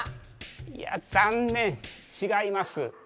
いや残念ちがいます。